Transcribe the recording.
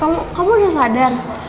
bapak kamu udah sadar